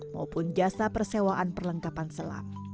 maupun jasa persewaan perlengkapan selam